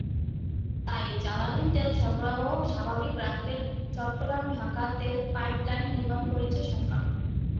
তাই জ্বালানি তেল সরবরাহ স্বাভাবিক রাখতে চট্টগ্রাম-ঢাকা তেল পাইপলাইন নির্মাণ করছে সরকার।